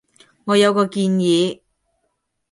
我有個建議